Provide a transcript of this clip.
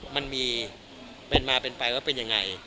มันมีเป็นมาเป็นไปว่าเป็นยังไง